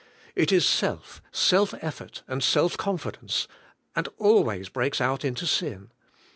It is self, self effort and self confidence, and always breaks out into sin.